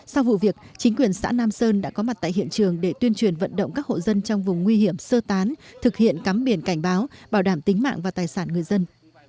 sau vụ việc chính quyền xã nam sơn đã có mặt tại hiện trường để tuyên truyền vận động các hộ dân trong vùng nguy hiểm sơ tán thực hiện cắm biển cảnh báo bảo đảm tính mạng và tài sản người dân